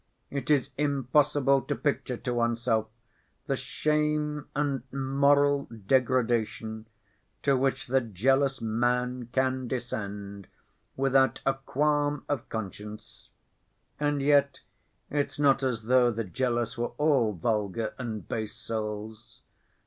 It is impossible to picture to oneself the shame and moral degradation to which the jealous man can descend without a qualm of conscience. And yet it's not as though the jealous were all vulgar and base souls.